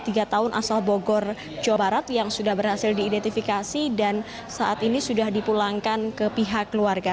dan empat puluh tiga tahun asal bogor jawa barat yang sudah berhasil diidentifikasi dan saat ini sudah dipulangkan ke pihak keluarga